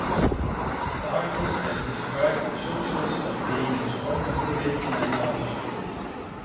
The artist has described the substance as being his own urine in a glass.